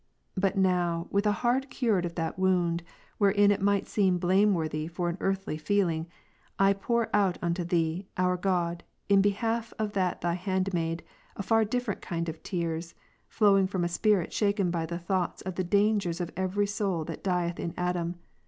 But now, with a heart cured of that wound, wherein it might seem blameworthy for an earthly feeling, I pour out unto Thee, our God, in behalf of thatThy handmaid, a far different kind of tears, flowing from a spirit shaken by the thoughts of the dangers of every soul that dieth in Adam, l Cor.